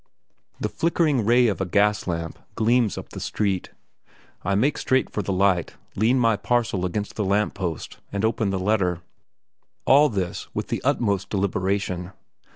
The flickering ray of a gas lamp gleams up the street. I make straight for the light, lean my parcel against the lamp post and open the letter. All this with the utmost deliberation.